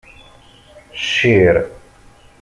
Cir.